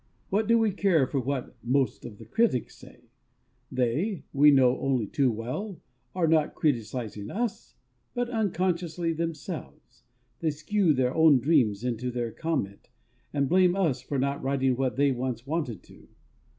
What do we care for what (most of) the critics say? They (we know only too well) are not criticising us, but, unconsciously, themselves. They skew their own dreams into their comment, and blame us for not writing what they once wanted to.